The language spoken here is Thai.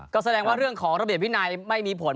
ก็แสดงว่าเรื่องของระเบียบวินัยไม่มีผล